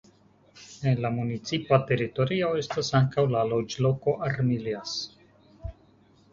En la municipa teritorio estas ankaŭ la loĝloko Armillas.